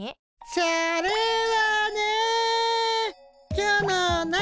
それはね。